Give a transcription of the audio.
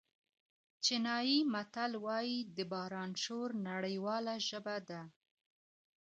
چینایي متل وایي د باران شور نړیواله ژبه ده.